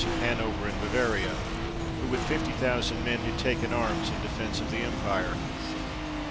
45 of Hanover and Bavaria, who, with fifty thousand men, had taken arms in defence of the Empire.